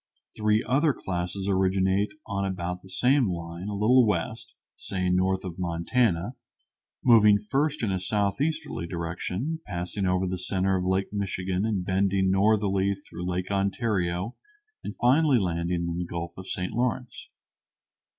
Three other classes originate on about the same line, a little west, say, north of Montana, moving first in a southeasterly direction, passing over the center of Lake Michigan and bending northerly through Lake Ontario and finally landing in the Gulf of St. Lawrence.